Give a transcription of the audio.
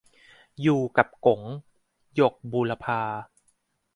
อยู่กับก๋ง- หยก บูรพา